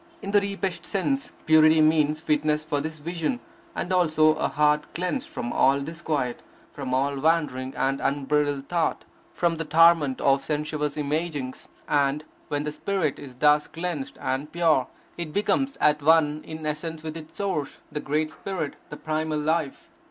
In the deepest sense, purity means fitness for this vision, and also a heart cleansed from all disquiet, from all wandering and unbridled thought, from the torment of sensuous imaginings; and when the spirit is thus cleansed and pure, it becomes at one in essence with its source, the great Spirit, the primal Life.